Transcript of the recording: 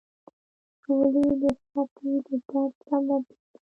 ټولې د خېټې د درد سبب ګرځي.